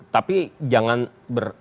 tapi jangan lupa